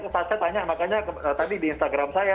saya tanya makanya tadi di instagram saya